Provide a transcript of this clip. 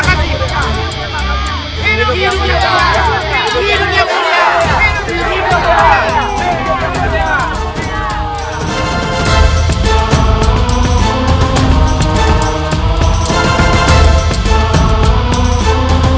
hidup yang mulia